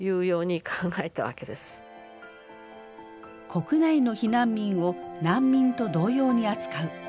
国内の避難民を難民と同様に扱う。